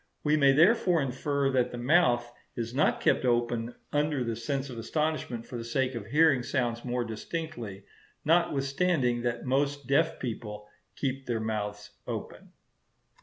We may therefore infer that the mouth is not kept open under the sense of astonishment for the sake of hearing sounds more distinctly; notwithstanding that most deaf people keep their mouths open.